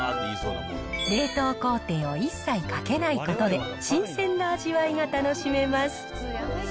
冷凍工程を一切かけないことで、新鮮な味わいが楽しめます。